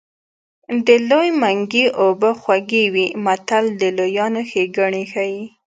د لوی منګي اوبه خوږې وي متل د لویانو ښېګڼې ښيي